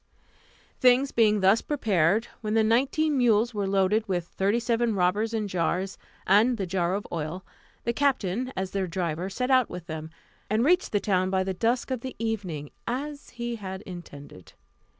Things being thus prepared, when the nineteen mules were loaded with thirty seven robbers in jars, and the jar of oil, the captain, as their driver, set out with them, and reached the town by the dusk of the evening, as he had intended.